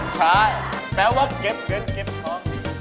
ใช่แปลว่าเก็บเงินเก็บทอง